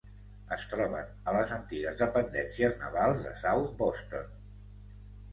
Es troben a les antigues dependències navals de South Boston.